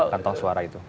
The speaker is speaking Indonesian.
tentang suara itu